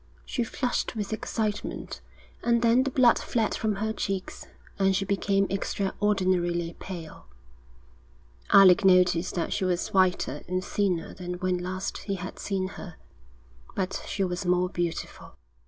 She flushed with excitement, and then the blood fled from her cheeks, and she became extraordinarily pale. Alec noticed that she was whiter and thinner than when last he had seen her; but she was more beautiful.